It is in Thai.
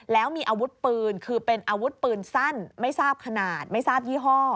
แล้วมีอาวุธปืนคือเป็นอาวุธปืนสั้นไม่ทราบขนาดไม่ทราบยี่ห้อ